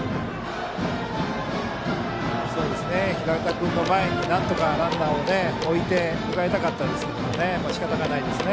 平田君の前になんとかランナーを置いて迎えたかったですけどしかたないですね。